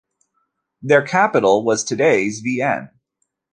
Their capital was today's Vienne.